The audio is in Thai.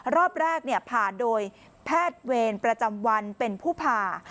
รอบแรกผ่าโดยแพทย์เวรประจำวันเป็นผู้ผ่า